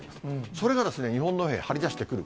それがですね、日本のほうへ張り出してくる。